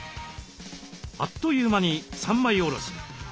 あっという間に三枚おろしに。